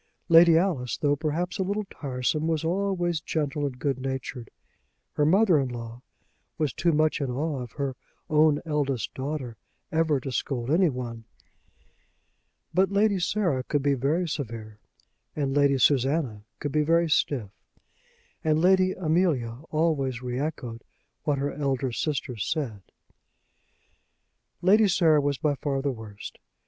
Lady Alice, though perhaps a little tiresome, was always gentle and good natured. Her mother in law was too much in awe of her own eldest daughter ever to scold anyone. But Lady Sarah could be very severe; and Lady Susanna could be very stiff; and Lady Amelia always re echoed what her elder sisters said. Lady Sarah was by far the worst.